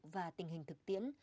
và tình hình thực tiễn